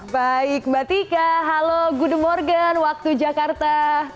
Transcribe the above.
baik mbak tika halo gudemorgan waktu jakarta